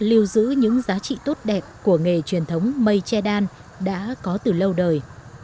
lưu giữ những giá trị tốt đẹp của nghề truyền thống mây che đan đã có từ lâu đời